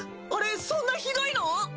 あれそんなひどいの？